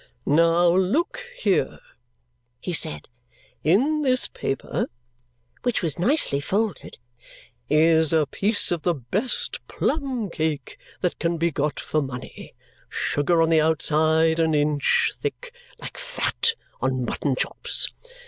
"Now, look here!" he said. "In this paper," which was nicely folded, "is a piece of the best plum cake that can be got for money sugar on the outside an inch thick, like fat on mutton chops.